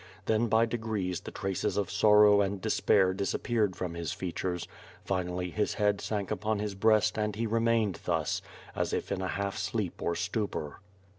Then by degrees the traces of sorrow and despair disappeared from his features; finally his head sank upon his breast and he remained thus, as if in a half sleep pr stupor.